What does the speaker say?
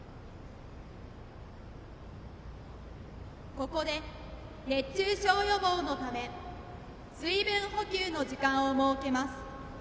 ここで熱中症予防のため水分補給の時間を設けます。